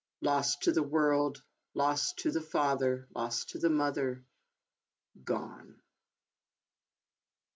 Lost to the world, lost to the father, lost to the mother — gone.